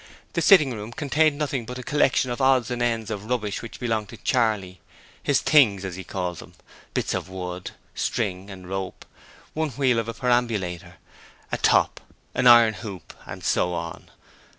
The sitting room contained nothing but a collection of odds and ends of rubbish which belonged to Charley his 'things' as he called them bits of wood, string and rope; one wheel of a perambulator, a top, an iron hoop and so on.